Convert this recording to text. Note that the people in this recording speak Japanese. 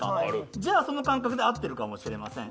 その感覚で合ってるかもしれません。